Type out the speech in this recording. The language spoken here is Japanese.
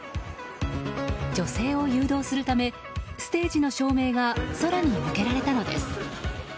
女性を誘導するためステージの照明が空に向けられたのです。